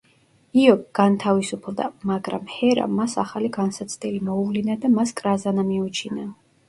იო განთავისუფლდა, მაგრამ ჰერამ მას ახალი განსაცდელი მოუვლინა და მას კრაზანა მიუჩინა.